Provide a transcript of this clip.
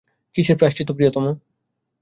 কিসের প্রায়শ্চিত্ত প্রিয়তম?